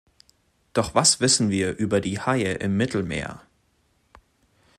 Doch was wissen wir über die Haie im Mittelmeer?